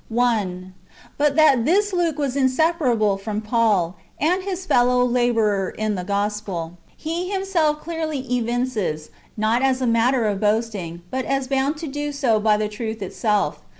1. But that this Luke was inseparable from Paul, and his fellow labourer in the gospel, he himself clearly evinces, not as a matter of boasting, but as bound to do so by the truth itself.